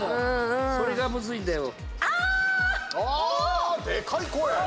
それがむずいんだよ。